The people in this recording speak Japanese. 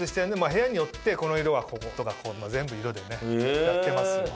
部屋によってこの色はこことか全部色でねやってますよ。